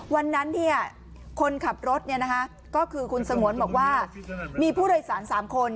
วันนั้นคนขับรถก็คือคุณสงวนบอกว่ามีผู้โดยสาร๓คน